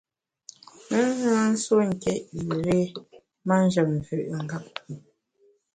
Me na nsuo nké üré manjem mvü’ ngap.